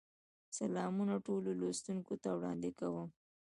سلامونه ټولو لوستونکو ته وړاندې کوم.